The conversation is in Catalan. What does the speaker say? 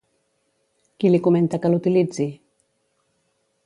Qui li comenta que l'utilitzi?